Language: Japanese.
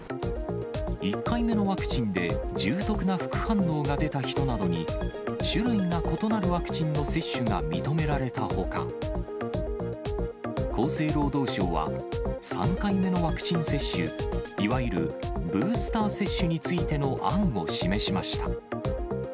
１回目のワクチンで重篤な副反応が出た人などに、種類が異なるワクチンの接種が認められたほか、厚生労働省は、３回目のワクチン接種、いわゆるブースター接種についての案を示しました。